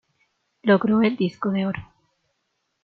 Logró el disco de oro.